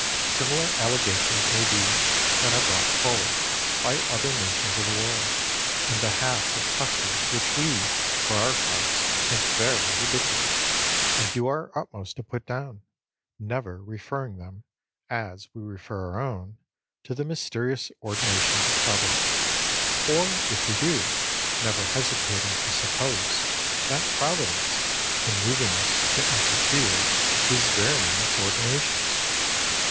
Similar allegations may be, and are brought forward, by other nations of the world, in behalf of customs which we, for our parts, think very ridiculous, and do our utmost to put down; never referring them, as we refer our own, to the mysterious ordinations of Providence; or, if we do, never hesitating to suppose, that Providence, in moving us to interfere, is varying its ordinations.